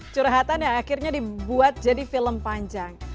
curhatan yang akhirnya dibuat jadi film panjang